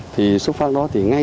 thì xuất phát đó thì ngay